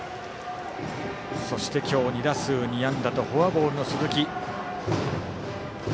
そして今日２打数２安打とフォアボールの鈴木。